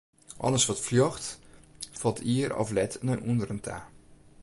Alles wat fljocht, falt ier of let nei ûnderen ta.